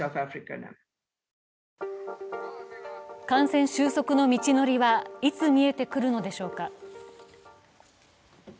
感染収束の道のりはいつ見えてくるのでしょうか。